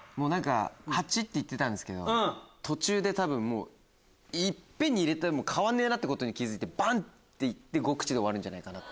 ８って言ってたんですけど途中で多分一遍に入れても変わんねえってことに気付いてバン！って行って５口で終わるんじゃないかなと。